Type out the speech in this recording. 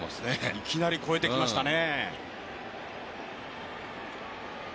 いきなり越えてきましたね。